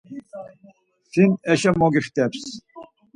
Sin eşo mogixteps.